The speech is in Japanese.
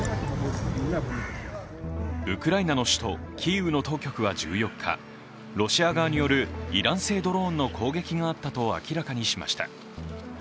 ウクライナの首都キーウの当局は１４日、ロシア側によるイラン製ドローンの攻撃があったと明らかにしました。